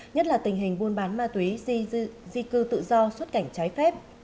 nhất là tình hình buôn bán ma túy di cư tự do xuất cảnh trái phép